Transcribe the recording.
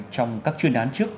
trong các chuyên án trước